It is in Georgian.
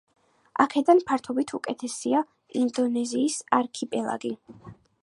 აქედან ფართობით უდიდესია ინდონეზიის არქიპელაგი.